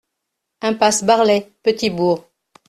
Impasse Barlet, Petit-Bourg